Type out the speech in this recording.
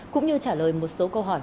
cũng như trả lời một số câu hỏi